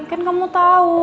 kan kamu tau